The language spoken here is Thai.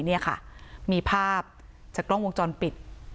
นี่ค่ะมีภาพจากกล้องวงจรปิด